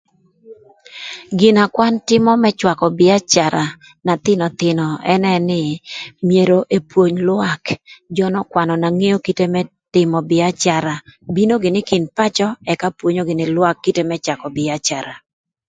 Gin na kwan tïmö më cwakö bïacara na thïnöthïnö ënë nï myero epwony lwak jö n'ökwanö na ngeo kite më tïmö bïacara bino gïnï kï pacö ëka pwonyo gïnï lwak kite më cakö bïacara.